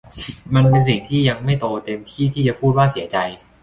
มันเป็นสิ่งที่ยังไม่โตเต็มที่ที่จะพูดว่าเสียใจ